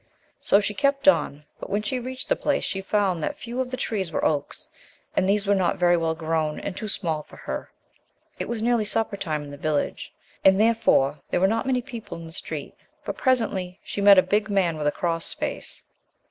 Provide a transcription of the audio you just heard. So she kept on, but when she reach ed the place she found that few of the trees were oaks, and these were not very well grown and too small for her. It was nearly supper time in the village and, therefore, there were not many people in the street, but presently she met a big man with a cross face.